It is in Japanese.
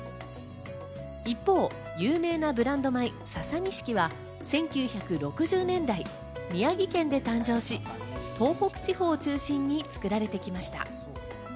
一方、有名なブランド米・ササニシキは１９６０年代、宮城県で誕生し、東北地方を中心に作られてきました。